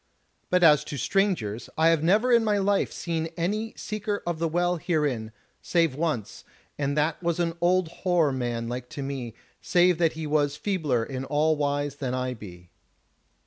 But as to strangers, I have never in my life seen any Seeker of the Well herein, save once, and that was an old hoar man like to me, save that he was feebler in all wise than I be."